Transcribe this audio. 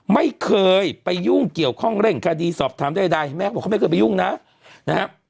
ไม่เคยไปยุ่งเกี่ยวข้องเร่งคดีสอบถามใดแม่ก็บอกเขาไม่เคยไปยุ่งนะนะฮะ